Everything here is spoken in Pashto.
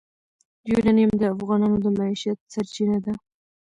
یورانیم د افغانانو د معیشت سرچینه ده.